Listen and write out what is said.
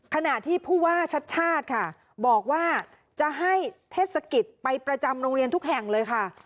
ขณะที่ผู้ว่าชัดชาติค่ะบอกว่าจะให้เทศกิจไปประจำโรงเรียนทุกแห่งเลยค่ะ